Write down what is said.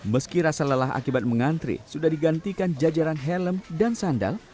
meski rasa lelah akibat mengantri sudah digantikan jajaran helm dan sandal